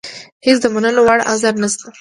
هېڅ د منلو وړ عذر نشته.